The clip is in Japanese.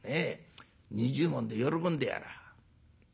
２０文で喜んでやら。